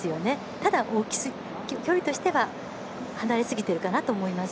ただ距離としては離れすぎているかなと思います。